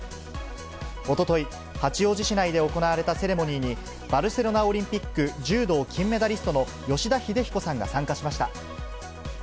おととい、八王子市内で行われたセレモニーに、バルセロナオリンピック柔道金メダリストの吉田秀彦さんが参加しました。